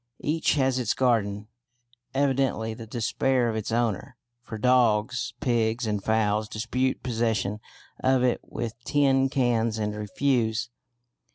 Each has its garden, evidently the despair of its owner, for dogs, pigs, and fowls dispute possession of it with tin cans and refuse.